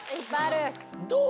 どう？